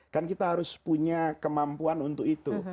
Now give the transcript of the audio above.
kan kita harus punya kemampuan untuk itu